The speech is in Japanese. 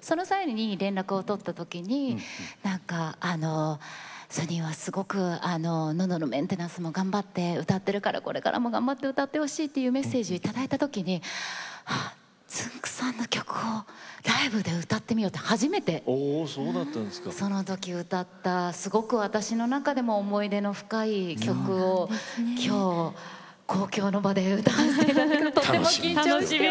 その際に、連絡を取った時にソニンは、すごくのどのメンテナンスを頑張って歌っているからこれからも、頑張って歌ってほしいとメッセージをいただいた時つんく♂さんの曲をライブで歌ってみようと、初めてその時、歌った私の中でも思い出の深い曲を今日、公共の場で歌わせていただく。